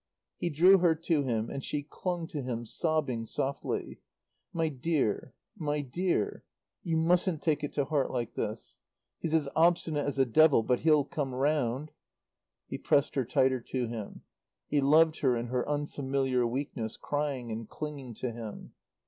He drew her to him, and she clung to him, sobbing softly. "My dear my dear. You mustn't take it to heart like this. He's as obstinate as the devil; but he'll come round." He pressed her tighter to him. He loved her in her unfamiliar weakness, crying and clinging to him.